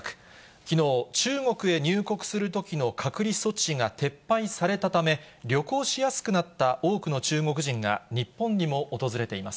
きのう、中国へ入国するときの隔離措置が撤廃されたため、旅行しやすくなった多くの中国人が日本にも訪れています。